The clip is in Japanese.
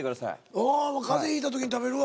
おお風邪ひいた時に食べるわ。